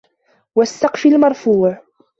وَالسَّقفِ المَرفوعِ